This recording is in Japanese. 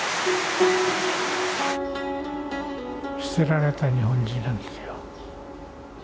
捨てられた日本人なんですよ。